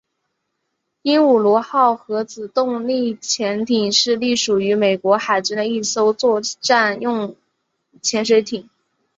鹦鹉螺号核子动力潜艇是隶属于美国海军的一艘作战用潜水艇。